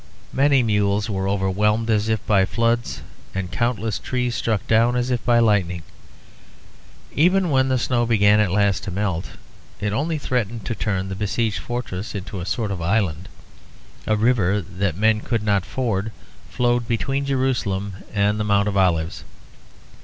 Many mules were overwhelmed as if by floods, and countless trees struck down as if by lightning. Even when the snow began at last to melt it only threatened to turn the besieged fortress into a sort of island. A river that men could not ford flowed between Jerusalem and the Mount of Olives.